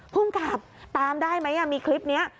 ภูมิกับตามได้ไหมมีคลิปนี้